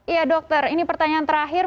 iya dokter ini pertanyaan terakhir